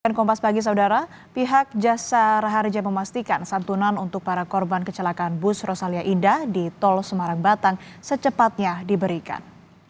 dan kompas pagi saudara pihak jasa araharja memastikan santunan untuk para korban kecelakaan bus rosalia indah di tol semarang batang secepatnya diberikan